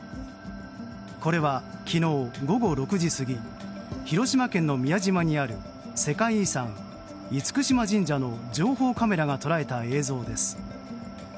これは昨日午後６時過ぎ広島県の宮島にある世界遺産・厳島神社の情報カメラが捉えた映像です。